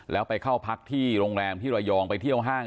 แล้วไปเข้าพักที่โรงแรมที่ระยองไปเที่ยวห้าง